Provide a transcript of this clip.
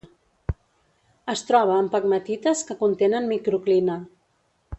Es troba en pegmatites que contenen microclina.